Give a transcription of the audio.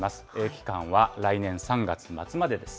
期間は来年３月末までです。